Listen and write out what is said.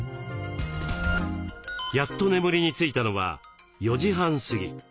やっと眠りについたのは４時半過ぎ。